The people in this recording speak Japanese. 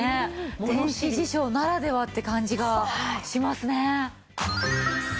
電子辞書ならではって感じがしますね。